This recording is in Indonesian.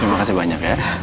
terima kasih banyak ya